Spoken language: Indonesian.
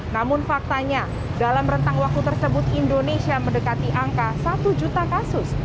namun faktanya dalam rentang waktu tersebut indonesia mendekati angka satu juta kasus